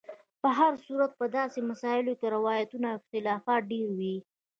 په هر صورت په داسې مسایلو کې روایتونو او اختلافات ډېر وي.